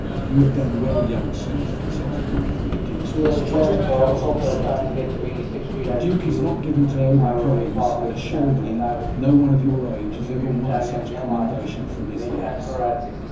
"You have done well, young sir," Fitz Osberne, one of the duke's most trusted councillors said to him. "The duke is not given to overpraise, and assuredly no one of your age has ever won such commendation from his lips.